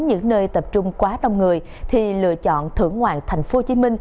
những nơi tập trung quá đông người thì lựa chọn thưởng ngoạn tp hcm